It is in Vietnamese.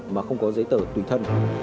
mà không có giấy tờ tùy thân